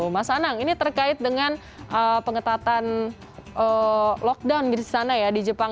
mas anang ini terkait dengan pengetatan lockdown di sana ya di jepang